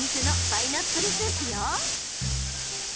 パイナップルスープ？